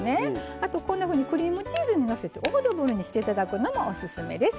あとこんなふうにクリームチーズにのせてオードブルにして頂くのもオススメです。